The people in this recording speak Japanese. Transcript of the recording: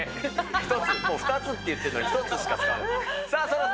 １つ、２つって言ったのに、１つしか使わない。